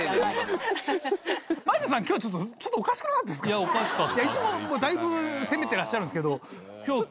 いやおかしかった。